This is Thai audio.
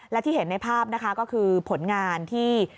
และที่เห็นในภาพนะคะก็คือผลงานที่